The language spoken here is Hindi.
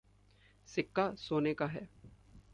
सिक्का सोने का है।